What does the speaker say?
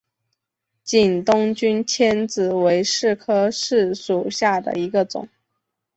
景东君迁子为柿科柿属下的一个种。